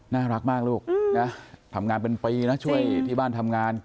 น่ารักมากลูกนะทำงานเป็นปีนะช่วยที่บ้านทำงาน